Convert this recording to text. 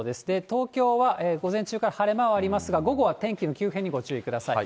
東京は午前中から晴れ間はありますが、午後は天気の急変にご注意ください。